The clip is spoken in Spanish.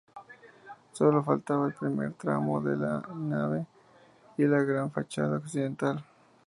Sólo faltaba el primer tramo de la nave y la gran fachada occidental.